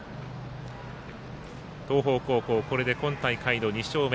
東邦高校、これで今大会の２勝目。